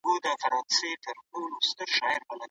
ولي ځيني هیوادونه تړون نه مني؟